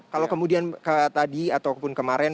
kalau kemudian tadi ataupun kemarin